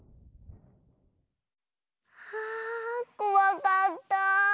ああこわかった。